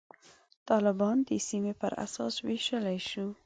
طالبان د سیمې پر اساس ویشلای شو.